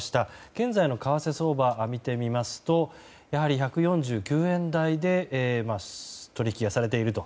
現在の為替相場見てみますとやはり１４９円台で取引がされていると。